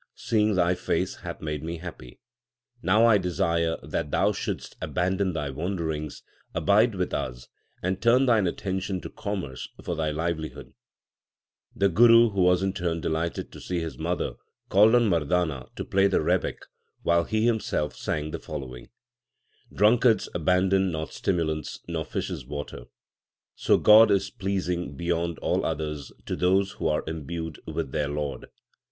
Seeing thy face hath made me happy. Now I desire that thou shouldst abandon thy wanderings, abide with us, and turn thine attention to commerce for thy livelihood/ The Guru, who was in turn delighted to see his mother, called on Mardana to play the rebeck while he himself sang the following : Drunkards abandon not stimulants, nor fishes water : So God is pleasing beyond all others to those who are imbued with their Lord.